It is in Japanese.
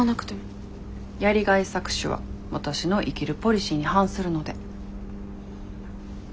やりがい搾取はわたしの生きるポリシーに反するので。